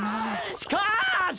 しかし！